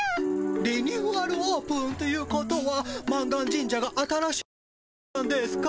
リニューアルオープンということは満願神社が新しくなったんですか？